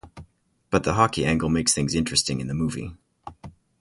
But the hockey angle makes things interesting in the movie.